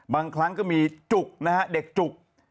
บางครั้งก็มีจุกนะฮะเด็กจุก